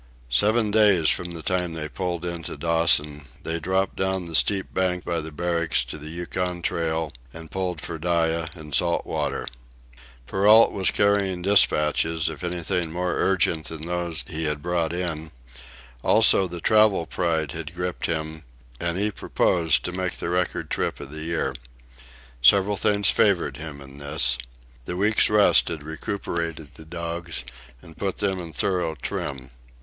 Seven days from the time they pulled into Dawson, they dropped down the steep bank by the Barracks to the Yukon Trail, and pulled for Dyea and Salt Water. Perrault was carrying despatches if anything more urgent than those he had brought in; also, the travel pride had gripped him, and he purposed to make the record trip of the year. Several things favored him in this. The week's rest had recuperated the dogs and put them in thorough trim.